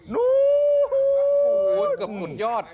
นู้น